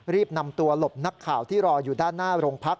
รีบนำตัวหลบนักข่าวที่รออยู่ด้านหน้าโรงพัก